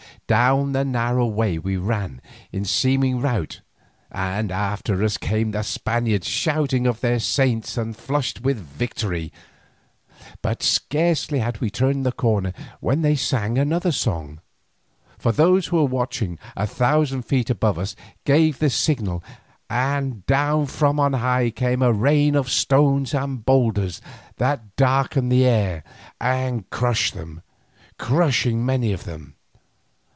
Down the narrow way we ran in seeming rout, and after us came the Spaniards shouting on their saints and flushed with victory. But scarcely had we turned the corner when they sang another song, for those who were watching a thousand feet above us gave the signal, and down from on high came a rain of stones and boulders that darkened the air and crashed among them, crushing many of them.